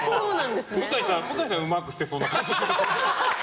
向井さんはうまく捨てそうな感じ。